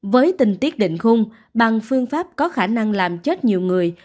với tình tiết định khung bằng phương pháp có khả năng làm chết nhiều người